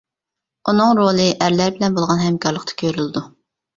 ئۇنىڭ رولى ئەرلەر بىلەن بولغان ھەمكارلىقتا كۆرۈلىدۇ.